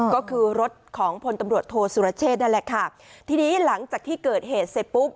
ก็คือรถของพลตำรวจโทษสุรเชษนั่นแหละค่ะทีนี้หลังจากที่เกิดเหตุเสร็จปุ๊บ